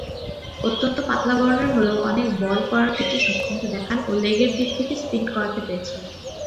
অত্যন্ত পাতলা গড়নের হলেও অনেক বল করার ক্ষেত্রে সক্ষমতা দেখান ও লেগের দিক থেকে স্পিন করাতে পেরেছিলেন।